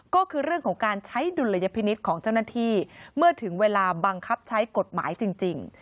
ก็คือเรื่องของการใช้ดุลยพินิษฐ์ของเจ้าหน้าที่เมื่อถึงเวลาบังคับใช้กฎหมายจริง